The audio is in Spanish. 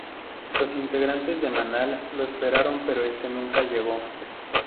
Los integrantes de Manal lo esperaron pero este nunca llegó.